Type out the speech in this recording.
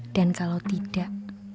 dan kalau tidak